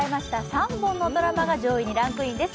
３本のドラマが上位にランクインです。